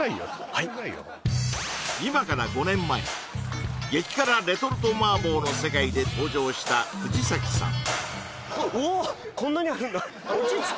はい今から５年前激辛レトルト麻婆の世界で登場した藤崎さん